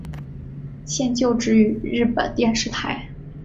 现就职于日本电视台。